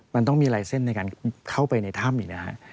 มันต้องมีลายเส้นในการเข้าไปในถ้ำอีกนะฮะ